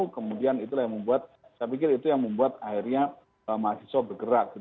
kemudian itulah yang membuat saya pikir itu yang membuat akhirnya mahasiswa bergerak